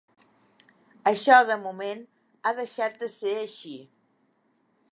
Això, de moment, ha deixat de ser així.